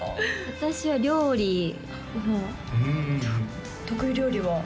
私は料理得意料理は？